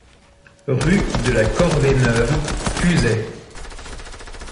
Rue de la Corvée Neuve, Pusey